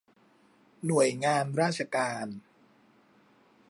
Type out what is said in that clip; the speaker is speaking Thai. หน่วยงานราชการ